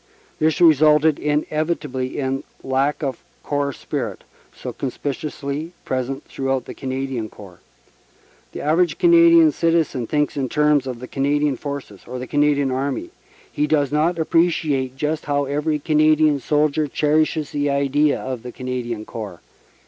This resulted inevitably in lack of corps spirit, so conspicuously present throughout the Canadian Corps. The average Canadian citizen thinks in terms of the "Can adian Forces," or the "Canadian Army"; he does not appre ciate just how every Canadian soldier cherishes the idea of the "Canadian Corps."